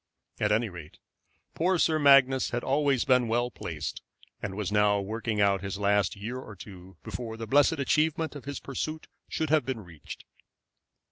At any rate, poor Sir Magnus had always been well placed, and was now working out his last year or two before the blessed achievement of his pursuit should have been reached.